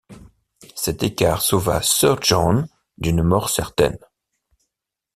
Cet écart sauva sir John d’une mort certaine.